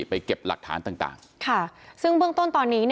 เก็บหลักฐานต่างซึ่งเบื้องต้นตอนนี้